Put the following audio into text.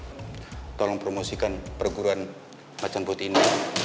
men tolong promosikan perguruan macem putri ini